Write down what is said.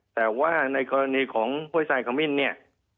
แต่ว่าในกรณีของโพยไซค์กามิ้นเนี่ย